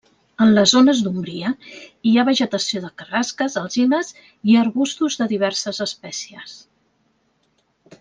En les zones d'ombria hi ha vegetació de carrasques, alzines, i arbustos de diverses espècies.